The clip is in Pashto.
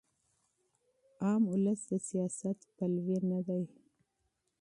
عام ولس د سیاست پلوی نه وي.